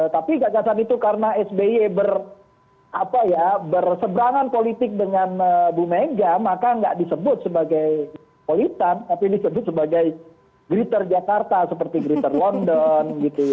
tapi gagasan itu karena sby berseberangan politik dengan bu mega maka nggak disebut sebagai politan tapi disebut sebagai gritter jakarta seperti griter london